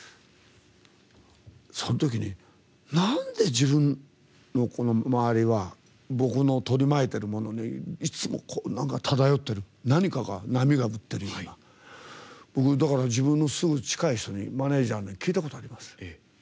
そのときに、なんで自分のこの周りは僕の取り巻いてるものにいつも、なんか漂ってる何かが波が打ってるようなだから自分のすぐ近いマネージャーに聞いたことあります。